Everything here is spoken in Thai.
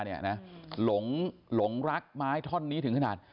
หลงรักไม้ท่อนนี้ถึงขนาด